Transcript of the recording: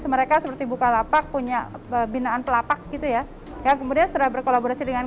mereka seperti bukalapak punya pembinaan pelapak gitu ya ya kemudian setelah berkolaborasi dengan